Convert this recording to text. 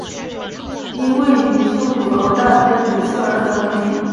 因位于旧鼓楼大街北侧而得名。